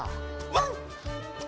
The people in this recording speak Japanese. ワン！